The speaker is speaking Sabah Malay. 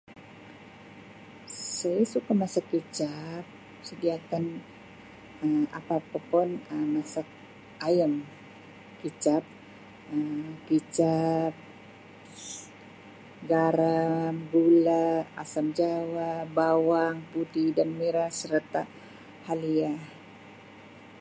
Saya suka masak kicap sediakan Um apa apa pun Um masak ayam kicap, Um kicap, garam, gula, asam jawa, bawang putih dan merah serta halia.